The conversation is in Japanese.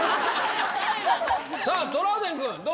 さあ、トラウデン君、どう？